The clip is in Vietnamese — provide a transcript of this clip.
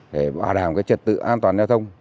để bảo đảm trật tự an toàn giao thông